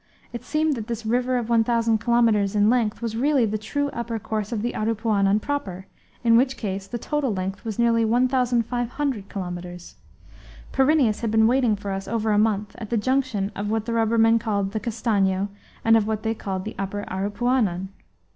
It seemed that this river of 1,000 kilometres in length was really the true upper course of the Aripuanan proper, in which case the total length was nearly 1,500 kilometres. Pyrineus had been waiting for us over a month, at the junction of what the rubbermen called the Castanho and of what they called the upper Aripuanan.